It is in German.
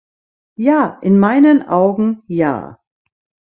Ja, in meinen Augen ja.